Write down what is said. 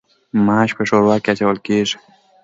ماش په ښوروا کې اچول کیږي.